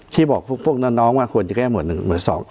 ที่บอกพวกน้องว่าควรจะแก้หมวด๑หมวด๒